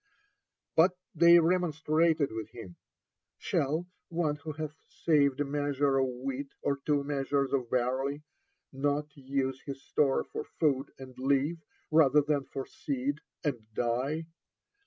But they remonstrated with him, "Shall one who hath saved a measure of wheat or two measures of barely not use his store for food and live, rather than for seed and die?"